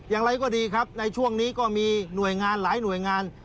อย่างไรก็ดีครับในช่วงนี้ก็มีหน่วยงานหลายหน่วยงาน